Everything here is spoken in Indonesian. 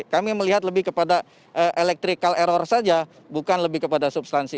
kami melihat lebih kepada electrical error saja bukan lebih kepada substansi